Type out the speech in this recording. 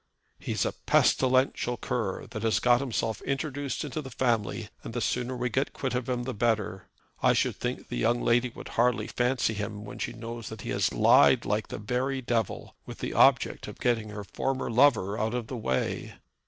"He's a pestilential cur, that has got himself introduced into the family, and the sooner we get quit of him the better. I should think the young lady would hardly fancy him when she knows that he has lied like the very devil, with the object of getting her former lover out of the way."